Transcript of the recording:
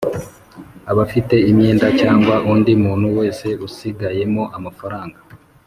Abafite imyenda cyangwa undi muntu wese usigayemo amafaranaga